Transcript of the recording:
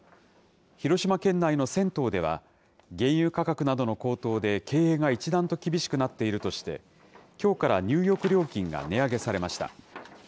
広島県内の銭湯では、原油価格などの高騰で経営が一段と厳しくなっているとして、きょうから入浴料金が値上げされました。